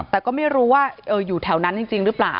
แต่ก็ไม่รู้ว่าอยู่แถวนั้นจริงหรือเปล่า